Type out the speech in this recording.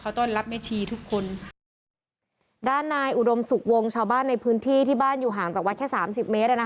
ต้อนรับแม่ชีทุกคนด้านนายอุดมสุขวงชาวบ้านในพื้นที่ที่บ้านอยู่ห่างจากวัดแค่สามสิบเมตรอ่ะนะคะ